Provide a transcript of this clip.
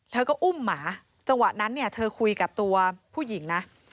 อุ้มหมาจังหวะนั้นเนี่ยเธอคุยกับตัวผู้หญิงนะ